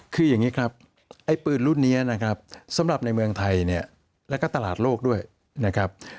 คืออย่างนี้ครับไอ้ปืนรุ่นนี้นะครับสำหรับในเมืองไทยเนี่ยแล้วก็ตลาดโลกด้วยนะครับ